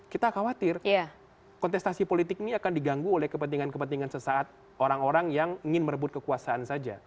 kita khawatir kontestasi politik ini akan diganggu oleh kepentingan kepentingan sesaat orang orang yang ingin merebut kekuasaan saja